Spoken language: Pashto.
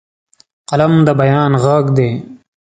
قلم د بیان غږ دی